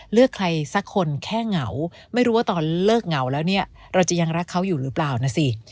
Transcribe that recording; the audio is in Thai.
เลือกใครสักคนแค่เหงาไม่รู้ว่าตอนเลิกเหงาแล้วเนี่ยเราจะยังรักเขาอยู่หรือเปล่านะสิ